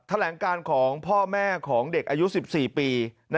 แถลงการของพ่อแม่ของเด็กอายุ๑๔ปี